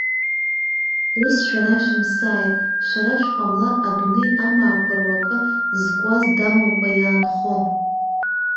Ус шәара шәымсааит, шәара шәҟамлар, адунеи амаақәа руакы зкуаз дамамкәа иаанхон.